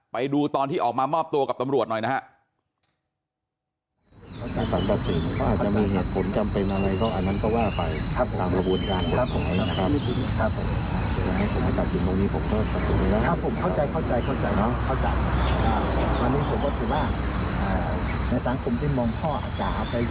ไปดูตอนที่ออกมามอบตัวกับตำรวจหน่อยนะครับ